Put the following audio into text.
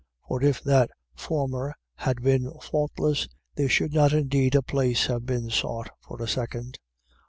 8:7. For if that former had been faultless, there should not indeed a place have been sought for a second.